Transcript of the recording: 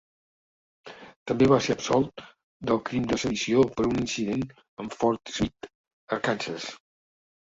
També va ser absolt del crim de sedició per un incident en Fort Smith, Arkansas.